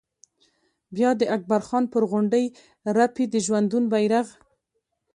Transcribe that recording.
بیا د اکبر خان پر غونډۍ رپي د ژوندون بيرغ